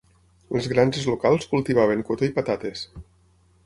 Les granges locals cultivaven cotó i patates.